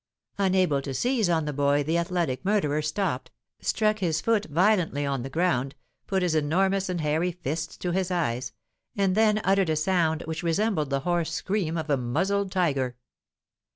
Unable to seize on the boy, the athletic murderer stopped, struck his foot violently on the ground, put his enormous and hairy fists to his eyes, and then uttered a sound which resembled the hoarse scream of a muzzled tiger.